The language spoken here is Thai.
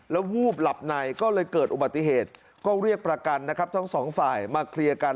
แล้ววูบหลับในก็เลยเกิดอุบัติเหตุก็เรียกประกันนะครับทั้งสองฝ่ายมาเคลียร์กัน